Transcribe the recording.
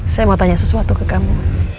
saya mau tanya sesuatu ke kamu